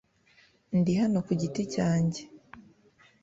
Ndi hano ku giti cyanjye